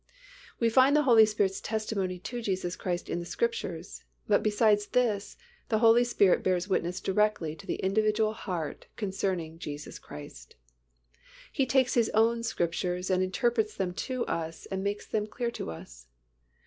We find the Holy Spirit's testimony to Jesus Christ in the Scriptures, but beside this the Holy Spirit bears witness directly to the individual heart concerning Jesus Christ. He takes His own Scriptures and interprets them to us and makes them clear to us.